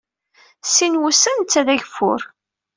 Sin wussan netta d ageffur.